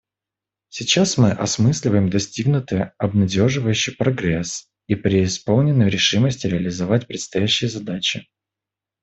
Сейчас мы осмысливаем достигнутый обнадеживающий прогресс и преисполнены решимости реализовать предстоящие задачи.